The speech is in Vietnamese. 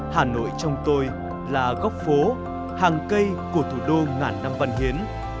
hà nội trong tôi là góc phố hàng cây của thủ đô ngàn năm văn hiến